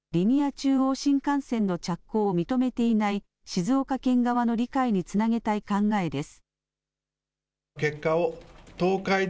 中央新幹線の着工を認めていない静岡県側の理解につなげたい考えです。